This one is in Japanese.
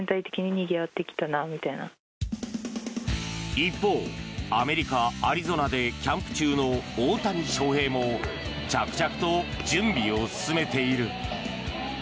一方、アメリカ・アリゾナでキャンプ中の大谷翔平も着々と準備を進めている。